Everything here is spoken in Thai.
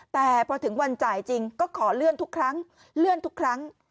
แต่พอถึงวันจ่ายจริงก็ขอเลื่อนทุกครั้งเลื่อนทุกครั้ง